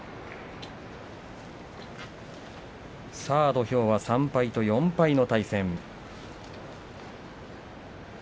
土俵は３敗と４敗の対戦。